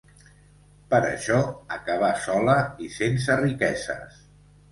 Per això acaba sola i sense riqueses.